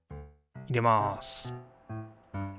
入れます